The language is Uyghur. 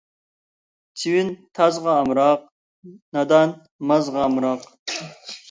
چىۋىن تازغا ئامراق، نادان مازغا ئامراق.